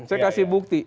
saya kasih bukti